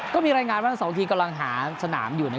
ก็มีรายงานว่าทั้งสองทีมกำลังหาสนามอยู่